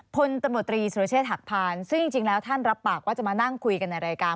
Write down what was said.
พลตำรวจตรีสุรเชษฐหักพานซึ่งจริงแล้วท่านรับปากว่าจะมานั่งคุยกันในรายการ